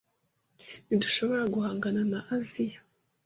Ntidushobora guhangana na Aziya.